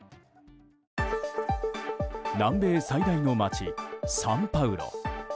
南米最大の街サンパウロ。